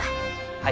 はい。